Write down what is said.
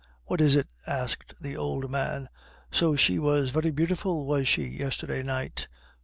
"What is it?" asked the old man. "So she was very beautiful, was she, yesterday night?"